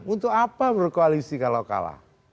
untuk apa berkoalisi kalau kalah